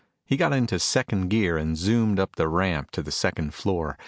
He got into second gear and zoomed up the ramp to the second floor.